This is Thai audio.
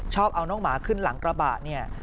ชอบเอาน้องหมาขึ้นหลังกระบะเนี่ย